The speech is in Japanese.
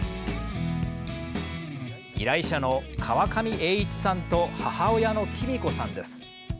依頼者の川上栄一さんと母親のきみ子さんです。